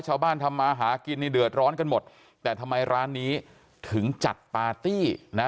ทำมาหากินนี่เดือดร้อนกันหมดแต่ทำไมร้านนี้ถึงจัดปาร์ตี้นะ